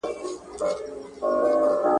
o پور پر غاړه، غوا مرداره.